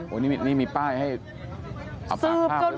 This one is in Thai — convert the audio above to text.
โอ้นี่มีป้ายให้อับปากภาพด้วยเลย